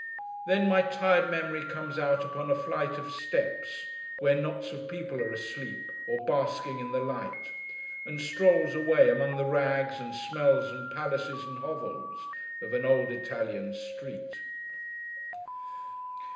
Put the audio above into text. Then my tired memory comes out upon a flight of steps, where knots of people are asleep, or basking in the light; and strolls away, among the rags, and smells, and palaces, and hovels, of an old Italian street.